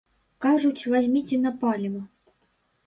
Кажуць, вазьміце на паліва.